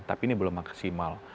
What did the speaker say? tapi ini belum maksimal